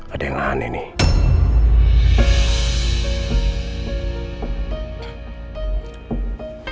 ada yang aneh nih